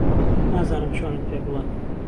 نازانم چۆنت پێ بڵێم